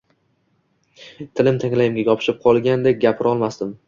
Tilim tanglayimga yopishib qolgandek, gapira olmasdim